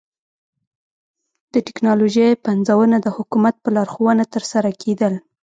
د ټکنالوژۍ پنځونه د حکومت په لارښوونه ترسره کېدل